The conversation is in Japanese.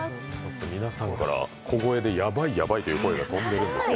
皆さんから小声でやばい、やばいって声が飛んでるんですが